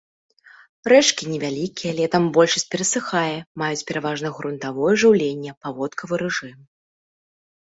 Рэчкі невялікія, летам большасць перасыхае, маюць пераважна грунтавое жыўленне, паводкавы рэжым.